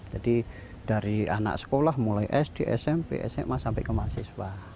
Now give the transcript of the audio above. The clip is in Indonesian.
jadi dari anak sekolah mulai sd smp sma sampai ke mahasiswa